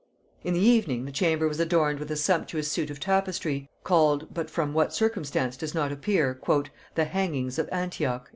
In the evening the chamber was adorned with a sumptuous suit of tapestry, called, but from what circumstance does not appear, "the hangings of Antioch."